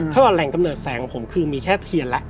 ถ้าว่าแหล่งกำเนิดแสงของผมคือมีแค่เทียนแล้ว